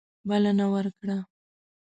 بلنه ورکړه.